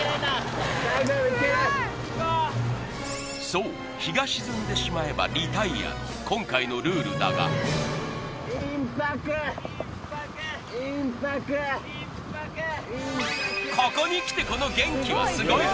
そう日が沈んでしまえばリタイアの今回のルールだがここにきてこの元気はすごい！